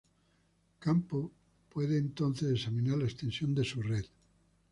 Campo puede entonces examinar la extensión de su red.